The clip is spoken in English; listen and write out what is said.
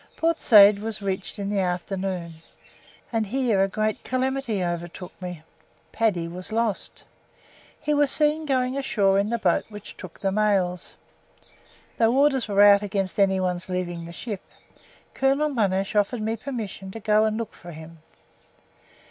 Port Said was reached in the afternoon, and here a great calamity overtook me. Paddy was lost! He was seen going ashore in the boat which took the mails. Though orders were out against any one's leaving the ship, Colonel Monash offered me permission to go and look for him.